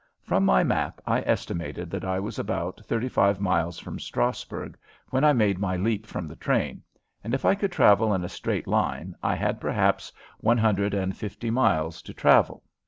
From my map, I estimated that I was about thirty five miles from Strassburg when I made my leap from the train, and if I could travel in a straight line I had perhaps one hundred and fifty miles to travel.